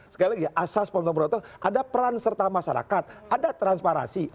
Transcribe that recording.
sekali lagi asas pemerintah pemerintah itu ada peran serta masyarakat ada transparansi